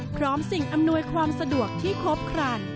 สิ่งอำนวยความสะดวกที่ครบครัน